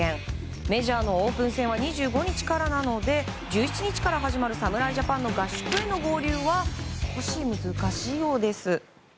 メジャーのオープン戦は２５日からなので１７日から始まる侍ジャパンの合宿への合流は少し難しいようです。